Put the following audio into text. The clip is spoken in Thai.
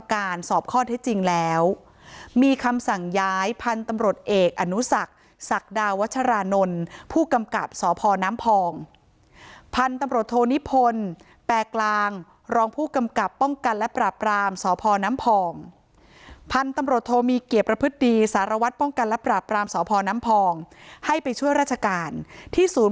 การสอบข้อเท็จจริงแล้วมีคำสั่งย้ายพันธุ์ตำรวจเอกอนุสักศักดาวัชรานนท์ผู้กำกับสพน้ำพองพันธุ์ตำรวจโทนิพลแปรกลางรองผู้กำกับป้องกันและปราบรามสพน้ำพองพันธุ์ตำรวจโทมีเกียรติประพฤติดีสารวัตรป้องกันและปราบรามสพน้ำพองให้ไปช่วยราชการที่ศูนย